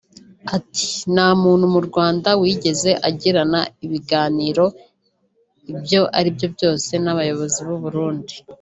Ati “Nta muntu mu Rwanda wigeze agirana ibiganiro ibyo ari byo byose n’abayobozi b’u Burundi